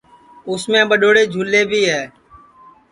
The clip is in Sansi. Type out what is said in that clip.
اُس میں ٻڈؔوڑے جھولے بھی ہے